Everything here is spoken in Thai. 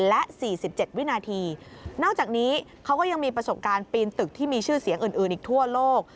และ๔๗วินาทีนอกจากนี้เขาก็ยังมีประสบการณ์ปีนตึกที่มีชื่อเสียงอื่นอีกทั่วโลก